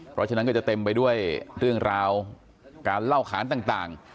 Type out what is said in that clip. เพราะฉะนั้นก็จะเต็มไปด้วยเรื่องราวการเล่าขานต่าง